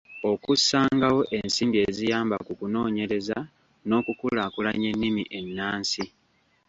Okussangawo ensimbi eziyamba ku kunoonyereza n’okukulaakulanya ennimi ennansi